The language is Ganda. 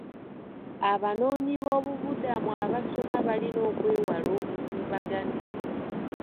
Abanoonyiboobubudamu abasoma balina okwewala obukuubagano.